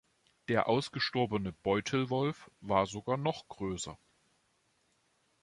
Der ausgestorbene Beutelwolf war sogar noch größer.